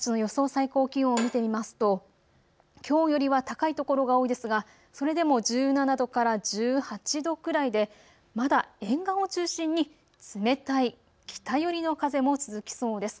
最高気温を見てみますときょうよりは高いところが多いですがそれでも１７度から１８度くらいで、まだ沿岸を中心に冷たい北寄りの風も続きそうです。